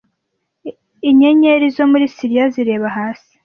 Inyenyeri zo muri Siriya zireba hasi.